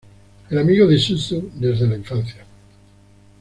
El amigo de Suzu desde la infancia.